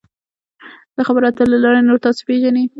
د خبرو اترو له لارې نور تاسو پیژني.